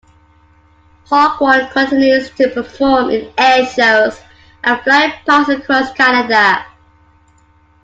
"Hawk One" continues to perform in air shows and flypasts across Canada.